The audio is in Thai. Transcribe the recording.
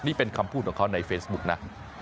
นี่เป็นคำพูดของเขาในเฟซบุ๊กนะ